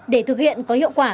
để thực hiện có hiệu quả